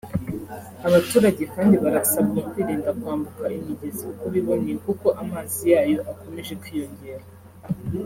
Abaturage kandi barasabwa kwirinda kwambuka imigezi uko biboneye kuko amazi yayo akomeje kwiyongera